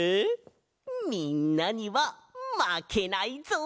みんなにはまけないぞ！